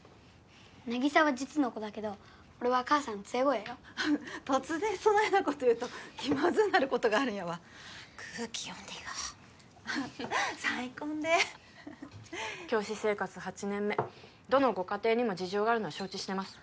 なぎさは実の子だけど俺は母さんの連れ子やよ突然そないなこと言うと気まずうなることがあるんやわ空気読んで言おう再婚で教師生活８年目どのご家庭にも事情があるのは承知してます